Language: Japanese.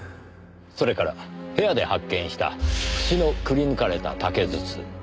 それから部屋で発見した節のくり抜かれた竹筒。